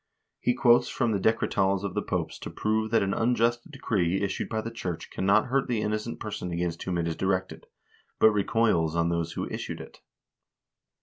He quotes from the Decretals of the Popes to prove that an unjust decree issued by the church cannot hurt the innocent person against whom it is directed, but recoils on those who issued it.